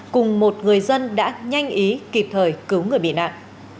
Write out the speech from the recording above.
cùng một người dân đã nhanh ý kịp thời cứu người bị nạn